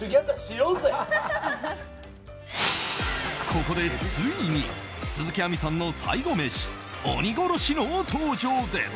ここでついに鈴木亜美さんの最後メシ、鬼殺しの登場です。